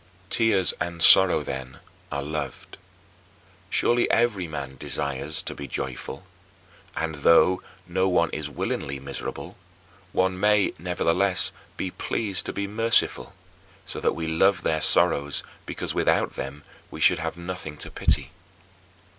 3. Tears and sorrow, then, are loved. Surely every man desires to be joyful. And, though no one is willingly miserable, one may, nevertheless, be pleased to be merciful so that we love their sorrows because without them we should have nothing to pity.